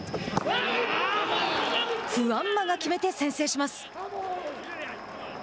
フアンマが決めて先制します。